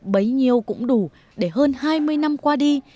bấy nhiêu cũng đủ để hơn hai mươi năm qua đi